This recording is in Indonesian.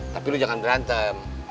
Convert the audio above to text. tapi lo jangan berantem